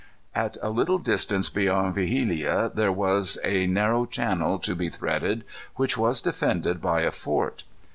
At a little distance beyond Vigilia there was a narrow channel to be threaded, which was defended by a fort.